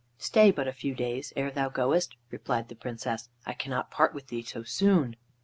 "Stay but a few days ere thou goest," replied the Princess. "I cannot part with thee so soon."